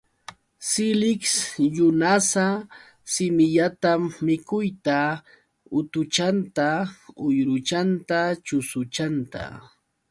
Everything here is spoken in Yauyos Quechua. Siliksyunasa simillatam mikuyta, utuchanta, uyruchanta, chusuchanta.